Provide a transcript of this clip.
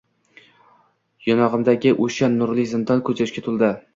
Yonog’imdagi o’sha nurli zindon ko’zyoshga to’ldi.